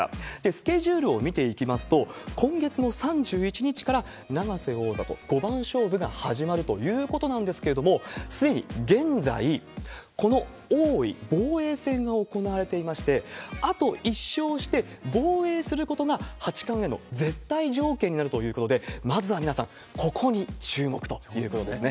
スケジュールを見ていきますと、今月の３１日から、永瀬王座と五番勝負が始まるということなんですけれども、すでに現在、この王位防衛戦が行われていまして、あと１勝して防衛することが八冠への絶対条件になるということで、まずは皆さん、ここに注目ということですね。